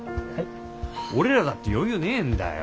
俺らだって余裕ねえんだよ。